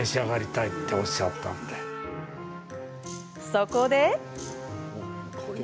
そこで。